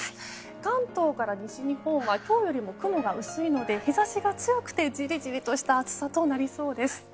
関東から西日本は今日より雲が薄いので日差しが強くて、ジリジリとした暑さとなりそうです。